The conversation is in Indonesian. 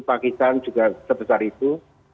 pakistan juga sebesar itu